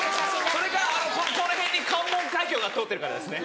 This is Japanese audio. それかここら辺に関門海峡が通ってるかですね。